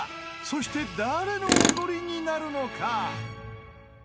そして誰のおごりになるのか？